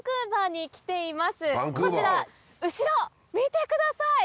こちら後ろ見てください！